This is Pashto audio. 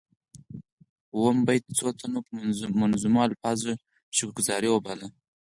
اووم بیت څو تنو په منظومو الفاظو شکر ګذاري وباله.